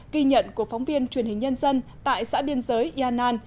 ghi nhận của phóng viên truyền hình nhân dân tại xã biên giới yanan